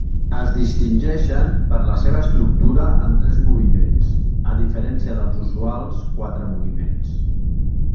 Es distingeixen per la seva estructura en tres moviments, a diferència dels usuals quatre moviments.